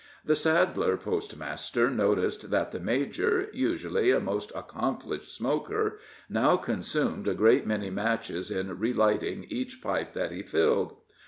The saddler post master noticed that the major usually a most accomplished smoker now consumed a great many matches in relighting each pipe that he filled.